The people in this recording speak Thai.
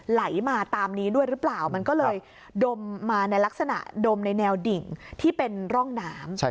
ไหลมาตามนี้ด้วยหรือเปล่ามันก็เลยดมมาในลักษณะดมในแนวดิ่งที่เป็นร่องน้ำ